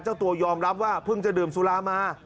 เจ้าตัวยอมรับว่าเพิ่งจะดื่มสุรามา